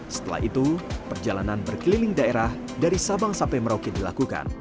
setelah itu perjalanan berkeliling daerah dari sabang sampai merauke dilakukan